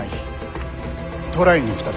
捕らえに来たのだ。